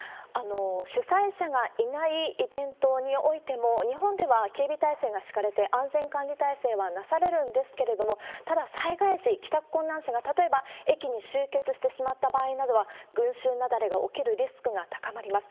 主催者がいないイベントにおいても、日本では警備態勢が敷かれて、安全管理体制はなされるんですけれども、ただ、災害時、帰宅困難者が、例えば駅に集結してしまった場合などは、群衆雪崩が起きるリスクが高まります。